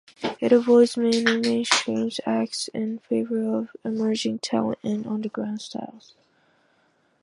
It avoids many mainstream acts, in favour of emerging talent and underground styles.